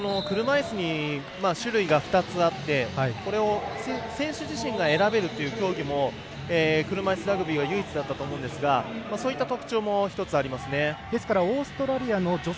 車いすに種類が２つあってこれを選手自身が選べるという競技も車いすラグビーが唯一だったと思うんですがそういった特徴も１つ、あります。